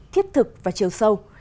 thiết thực và chiều sâu